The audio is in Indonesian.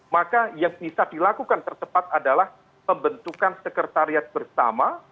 maka yang bisa dilakukan tersepat adalah membentukan sekretariat bersama